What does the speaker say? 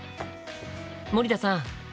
森田さん